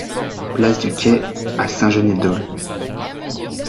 Place Du Quai à Saint-Geniez-d'Olt